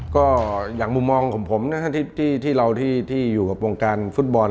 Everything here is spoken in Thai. ก็อย่างมุมมองของผมที่เราอยู่กับวงการฟุตบอล